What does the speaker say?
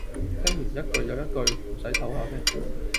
聽完一句又一句，唔洗唞吓咩